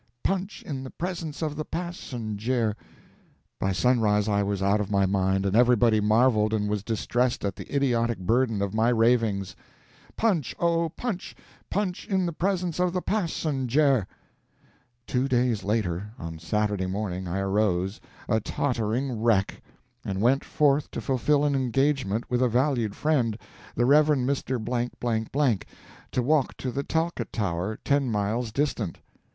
punch in the presence of the passenjare." By sunrise I was out of my mind, and everybody marveled and was distressed at the idiotic burden of my ravings "Punch! oh, punch! punch in the presence of the passenjare!" Two days later, on Saturday morning, I arose, a tottering wreck, and went forth to fulfil an engagement with a valued friend, the Rev. Mr. , to walk to the Talcott Tower, ten miles distant.